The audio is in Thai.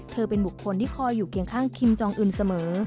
เป็นบุคคลที่คอยอยู่เคียงข้างคิมจองอื่นเสมอ